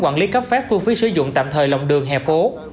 quản lý cấp phép thu phí sử dụng tạm thời lòng đường hè phố